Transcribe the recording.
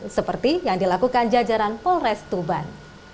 seperti yang dilakukan jajaran polres tuban